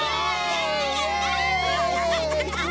やったやった！